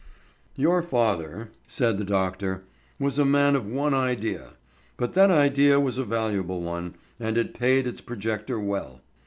"Your father," said the doctor, "was a man of one idea, but that idea was a valuable one and it paid its projector well.